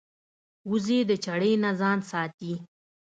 وزې د چړې نه ځان ساتي